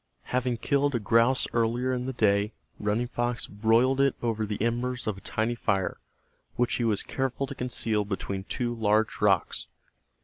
Having killed a grouse earlier in the day, Running Fox broiled it over the embers of a tiny fire, which he was careful to conceal between two large rocks.